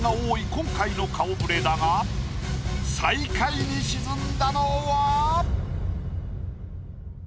今回の顔ぶれだが最下位に沈んだのは？